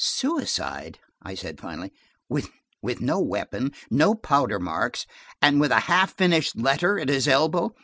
"Suicide!" I said finally. "With no weapon, no powder marks, and with a half finished letter at his elbow."